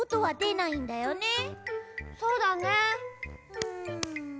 うん？